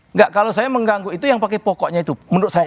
enggak kalau saya mengganggu itu yang pakai pokoknya itu menurut saya